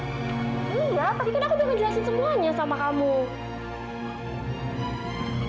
iya tadi kan aku udah ngejelasin semuanya sama kamu